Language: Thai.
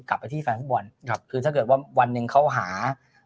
กลับไปที่แฟนฟุตบอลครับคือถ้าเกิดว่าวันหนึ่งเขาหา